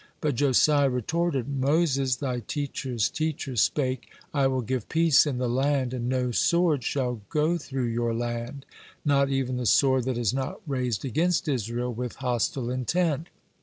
But Josiah retorted: "Moses, thy teacher's teacher, spake: 'I will give peace in the land, and no sword shall go through your land,' not even the sword that is not raised against Israel with hostile intent."